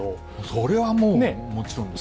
それはもう、もちろんです。